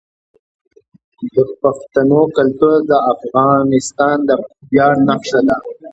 د پښتنو کلتور د افغانستان د ویاړ نښه ده.